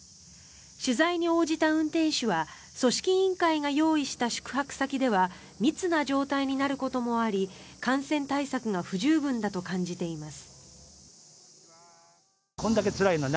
取材に応じた運転手は組織委員会が用意した宿泊先では密な状態になることもあり感染対策が不十分だと感じています。